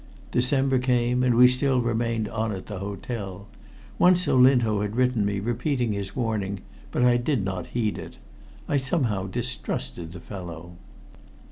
December came, and we still remained on at the hotel. Once Olinto had written me repeating his warning, but I did not heed it. I somehow distrusted the fellow.